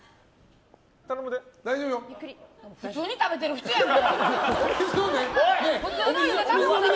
普通に食べてる人やん！